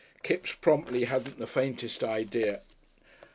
Kipps promptly hadn't the faintest idea.